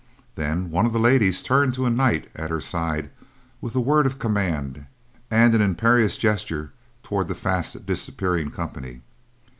Then one of the ladies turned to a knight at her side with a word of command and an imperious gesture toward the fast disappearing company.